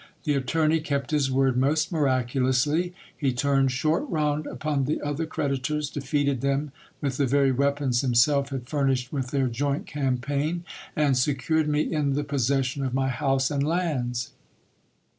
The attorney kept his word most miraculously : he turned short round upon the other creditors, defeated them with the very weapons himself had furnished with their joint campaign, and se cured me in the possession of my house and lands.